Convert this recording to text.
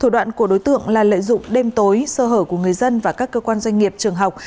đối tượng là lợi dụng đêm tối sơ hở của người dân và các cơ quan doanh nghiệp trường học